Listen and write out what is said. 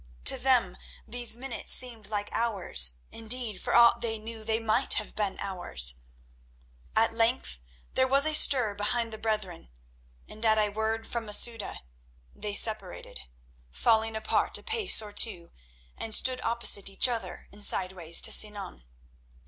To them those minutes seemed like hours; indeed, for aught they knew, they might have been hours. At length there was a stir behind the brethren, and at a word from Masouda they separated, falling apart a pace or two, and stood opposite each other and sideways to Sinan.